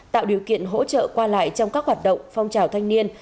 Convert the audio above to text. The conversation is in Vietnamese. tạo điều kiện hỗ trợ qua lại trong các hoạt động phong trào thanh niên